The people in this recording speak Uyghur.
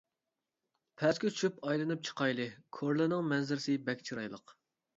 —پەسكە چۈشۈپ ئايلىنىپ چىقايلى كورلىنىڭ مەنزىرىسى بەك چىرايلىق.